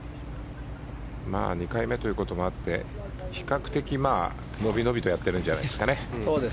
２回目ということもあって比較的伸び伸びとやってるんじゃないですかね。